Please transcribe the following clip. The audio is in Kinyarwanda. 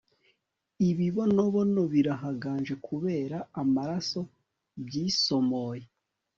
Ibibonobono birahaganje Kubera amaraso byisomoye